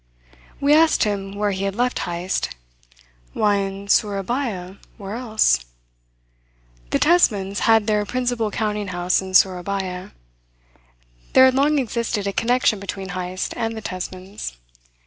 We asked him where he had left Heyst. "Why, in Sourabaya where else?" The Tesmans had their principal counting house in Sourabaya. There had long existed a connection between Heyst and the Tesmans.